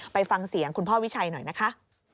ไปฟังเสียงคุณพ่อวิชัยหน่อยนะคะ